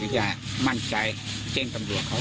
อย่างนี้มั่นใจเจ้งกำหนดเขา